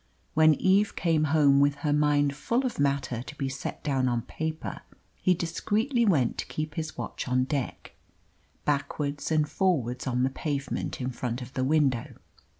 When Eve came home with her mind full of matter to be set down on paper he discreetly went to keep his watch on deck backwards and forwards on the pavement in front of the window.